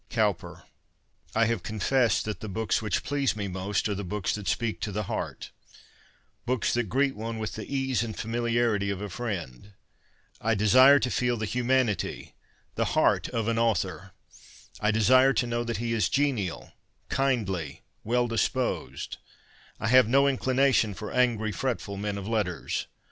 Cowper. I have confessed that the books which please me most are the books that speak to the heart — books that greet one with the ease and familiarity of a friend. I desire to feel the humanity, the heart of an author. I desire to know that he is genial, kindly, well disposed. I have no inclination for angry, fretful men of letters.